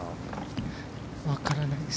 わからないです。